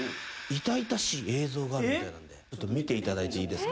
あるみたいなんでちょっと見ていただいていいですか。